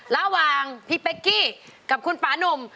ระหว่างพี่เป๊กกี้กับคุณปานุ่ม